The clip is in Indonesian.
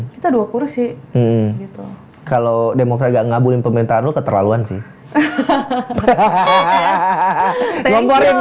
kita dua kursi gitu kalau demokraga ngabulin pemerintahan lu keterlaluan sih hahaha ngomorin